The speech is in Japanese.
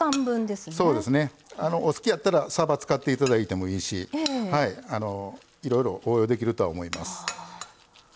お好きやったらさば使っていただいてもいいしいろいろ応用できるとは思います。